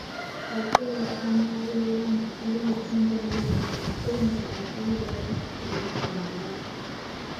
Okwebaka n’obeera mu tulo otungi ennyo ddala nga toyinza na kuwulira kintu kyonna kyabulabe.